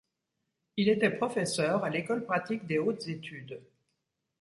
Il était professeur à l'École pratique des hautes études.